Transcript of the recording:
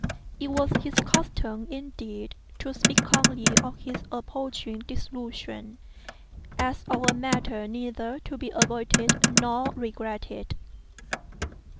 It was his custom, indeed, to speak calmly of his approaching dissolution, as of a matter neither to be avoided nor regretted.